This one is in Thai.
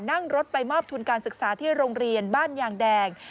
นั่งรถไปมอบทุนการศึกษาที่โรงเรียนบ้านยางแดง